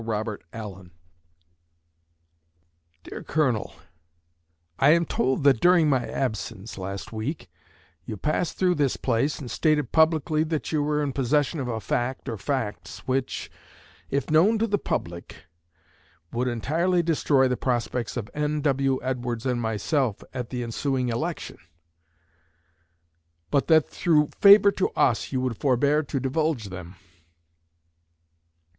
Robert Allen: DEAR COLONEL: I am told that during my absence last week, you passed through this place, and stated publicly that you were in possession of a fact or facts which, if known to the public, would entirely destroy the prospects of N.W. Edwards and myself at the ensuing election, but that through favor to us you would forbear to divulge them.